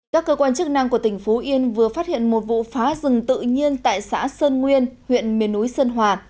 các cơ quan chức năng của tỉnh phú yên vừa phát hiện một vụ phá rừng tự nhiên tại xã sơn nguyên huyện miền núi sơn hòa